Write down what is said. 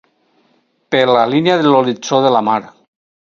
Per la línia de l'horitzó de la mar...